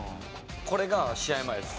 これが試合前です。